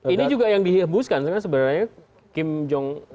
ini juga yang dihembuskan sebenarnya kim jong